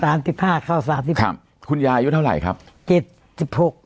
สิบห้าเข้าสามสิบครับคุณยายุเท่าไหร่ครับเจ็ดสิบหก